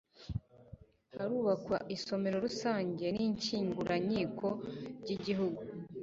harubakwa isomero rusange n'inshyinguranyandiko by'igihugu